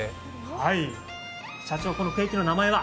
社長、このケーキの名前は？